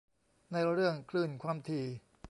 ในเรื่องคลื่นความถี่